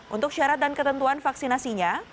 untuk syarat dan ketentuan vaksinasinya